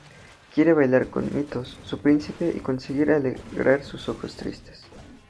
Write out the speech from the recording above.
Quiere bailar con Mythos, su príncipe y conseguir alegrar sus ojos tristes...